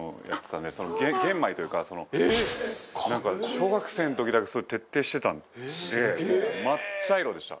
小学生の時だけ徹底してたので真っ茶色でした。